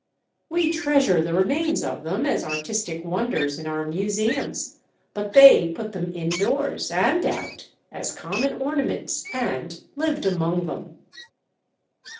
We treasure the remains of them as artistic wonders in our museums, but they put them indoors and out as common ornaments, and lived among them.